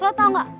lo tau gak